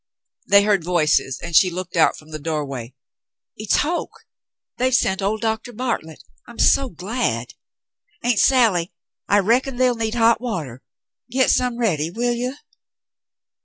They heard voices, and she looked out from the doorway. "It's Hoke. They've sent old Doctor Bartlett. I'm so glad. Aunt Sally, I reckon they'll need hot water. Get some ready, will you